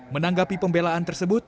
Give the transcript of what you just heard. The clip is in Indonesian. menanggapi pembelaan tersebut